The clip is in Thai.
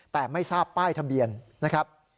แต่ไม่ทราบป้ายทะเบียนนะครับ